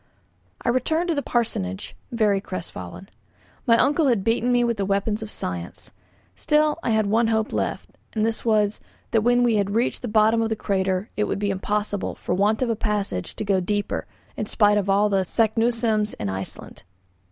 I returned to the parsonage, very crestfallen. My uncle had beaten me with the weapons of science. Still I had one hope left, and this was, that when we had reached the bottom of the crater it would be impossible, for want of a passage, to go deeper, in spite of all the Saknussemm's in Iceland.